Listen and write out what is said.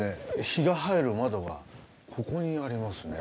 日が入る窓がここにありますね。